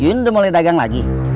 yun udah mulai dagang lagi